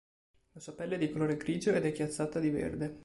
La sua pelle è di colore grigio ed è chiazzata di verde.